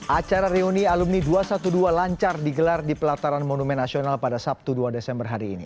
acara reuni alumni dua ratus dua belas lancar digelar di pelataran monumen nasional pada sabtu dua desember hari ini